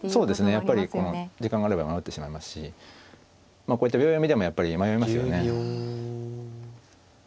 やっぱり時間があれば迷ってしまいますしこういった秒読みでもやっぱり迷いますよね。